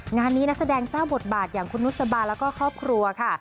งานนี้นักแสดงเจ้าบทบาทอย่างคุณนุษบาแล้วก็ครอบครัวค่ะ